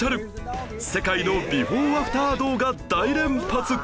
世界のビフォーアフター動画大連発！